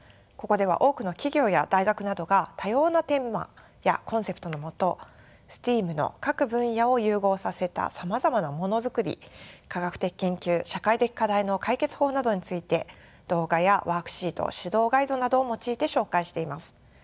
ここでは多くの企業や大学などが多様なテーマやコンセプトのもとＳＴＥＡＭの各分野を融合させたさまざまなものづくり科学的研究社会的課題の解決法などについて動画やワークシート指導ガイドなどを用いて紹介しています。